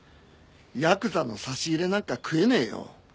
ヤクザの差し入れなんか食えねえよ。